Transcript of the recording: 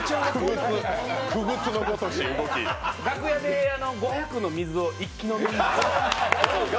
楽屋で５００の水を一気飲み。